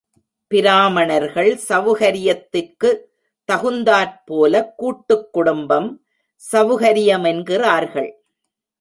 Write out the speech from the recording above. பிராமணர்கள், சவுகரியத்திற்குத் தகுந்தாற்போலக் கூட்டுக் குடும்பம் சவுகரியமென்கிறார்கள்.